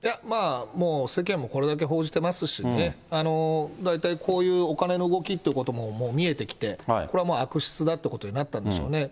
もう世間もこれだけ報じてますしね、だいたいこういうお金の動きということも、もう見えてきて、これは悪質だっていうことになったんでしょうね。